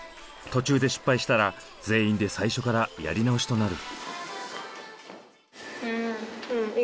途中で失敗したら全員で最初からやり直しとなる。